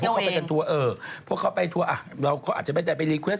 คุณนั่นแหละค่ะหมุน๕๖หมื่นกว่าบาทไม่ถึงหมื่น๕เธอ